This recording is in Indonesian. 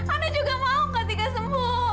anak juga mau kak tika sembuh